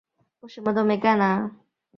其他赛事